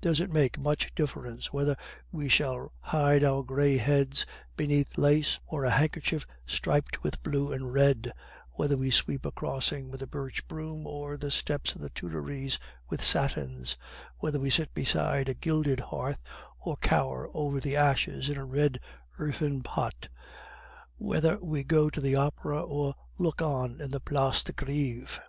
Does it make much difference whether we shall hide our gray heads beneath lace or a handkerchief striped with blue and red; whether we sweep a crossing with a birch broom, or the steps of the Tuileries with satins; whether we sit beside a gilded hearth, or cower over the ashes in a red earthen pot; whether we go to the Opera or look on in the Place de Greve?"